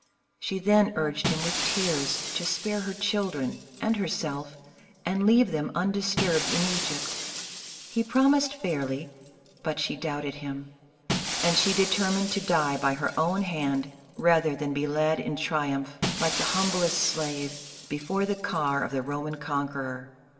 She then 'u urged him with tears, to spare her children and her self, and leave them undisturbed in Egypt. He prom ised fairly, but she doubted him ; and she determined to die by her own hand, rather than be led in triumph, like the humblest slave, before the car of the Roman conqueror.